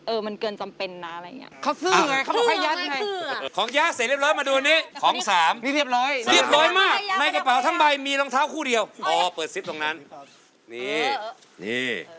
เออมันเกินจำเป็นน่ะอะไรอย่างงี้